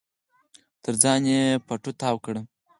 تر ځان يې پټو تاو کړی و.